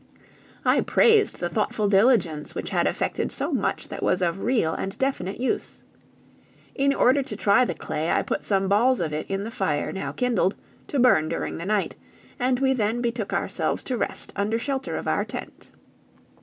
I praised the thoughtful diligence which had effected so much that was of real and definite use. In order to try the clay, I put some balls of it in the fire now kindled, to burn during the night, and we then betook ourselves to rest under shelter of our tent.